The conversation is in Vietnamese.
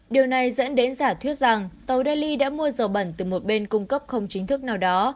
điều này dẫn đến giả thuyết rằng tàu daily đã mua dầu bẩn từ một bên cung cấp không chính thức nào đó